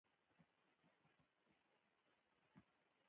دا د لومړني وضعیت استعاره ده.